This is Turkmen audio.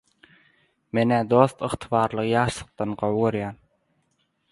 Men-ä dost, ygtybarlylygy ýagşylykdan gowy görýän.